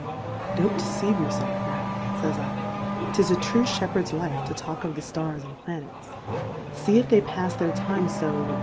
Don\ deceive your felf, Madam, fays I, 'tis a true Shepherd's Life to talk of the Stars and Planets: See if they pafs their Time ib in J/haa.